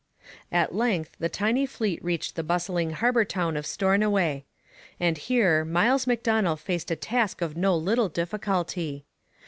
At length the tiny fleet reached the bustling harbour town of Stornoway; and here Miles Macdonell faced a task of no little difficulty.